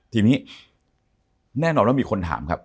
ทีนี้แน่นอนว่ามีคนถามครับ